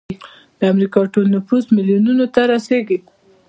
د امریکا ټول نفوس میلیونونو ته رسیږي.